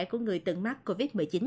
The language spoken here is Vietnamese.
của người từng mắc covid một mươi chín